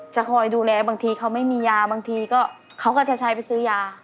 จะคอยดูแลบางทีเขาไม่มียาบางทีก็เขาก็จะใช้ไปซื้อยา